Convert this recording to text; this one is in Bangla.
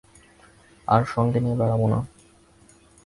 আর সঙ্গে নিয়ে বেড়াব না ।